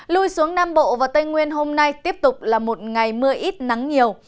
lui xuống nam bộ và tây nguyên hôm nay tiếp tục là một ngày mưa ít nắng nhiều